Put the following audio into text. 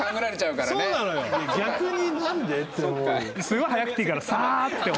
すごい速くていいからさーって。